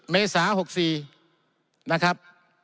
เมษา๖๔นะครับ